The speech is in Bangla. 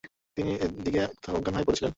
তিনি ওদিকে কোথাও অজ্ঞান হয়ে পড়েছিলেন।